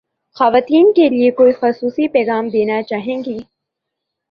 خواتین کے لئے کوئی خصوصی پیغام دینا چاہیے گی